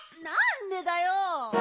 なんでだよ！